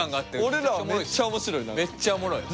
俺らはめっちゃおもしろいな。